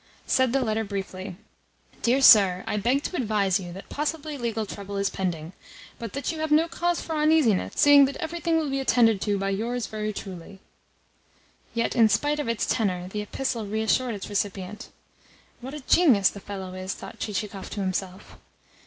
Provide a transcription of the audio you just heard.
Said the letter briefly: "Dear sir, I beg to advise you that possibly legal trouble is pending, but that you have no cause for uneasiness, seeing that everything will be attended to by yours very truly." Yet, in spite of its tenor, the epistle reassured its recipient. "What a genius the fellow is!" thought Chichikov to himself.